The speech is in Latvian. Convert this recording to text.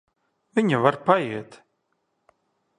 Viņa var paiet.